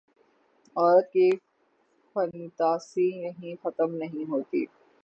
عورت کی فنتاسی یہیں ختم نہیں ہوتی۔